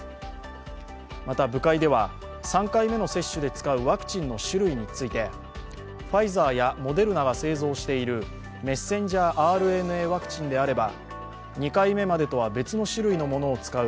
また部会では３回目の接種で使うワクチンの種類についてファイザーやモデルナが製造しているメッセンジャーＲＮＡワクチンであれば、２回目までとは別の種類のものを使う